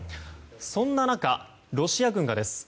そんな中、ロシア軍がです。